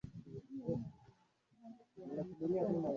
Kasema sheikh Amri, kiswahili tukisenge,